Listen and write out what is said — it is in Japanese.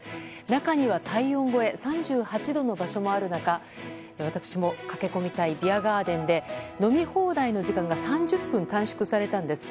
中には体温超え３８度の場所もある中私も駆け込みたいビアガーデンで飲み放題の時間が３０分短縮されたんです。